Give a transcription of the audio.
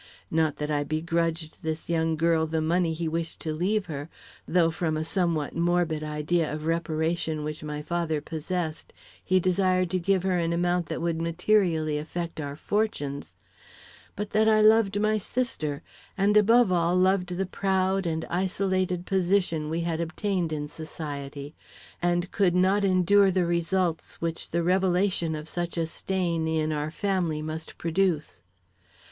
Not that I begrudged this young girl the money he wished to leave her, though from a somewhat morbid idea of reparation which my father possessed, he desired to give her an amount that would materially affect our fortunes but that I loved my sister, and above all loved the proud and isolated position we had obtained in society, and could not endure the results which the revelation of such a stain in, our family must produce.